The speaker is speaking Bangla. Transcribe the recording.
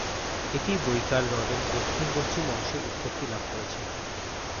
এটি বৈকাল হ্রদের দক্ষিণ-পশ্চিম অংশে উৎপত্তি লাভ করেছে।